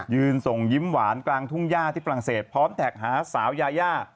ส่งยิ้มหวานกลางทุ่งย่าที่ฝรั่งเศสพร้อมแท็กหาสาวยายา